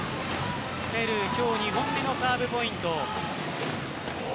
ペルー今日２本目のサーブポイント。